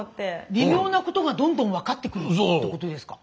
微妙なことがどんどん分かってくるってことですか。